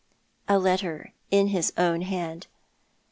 " A letter in his own hand."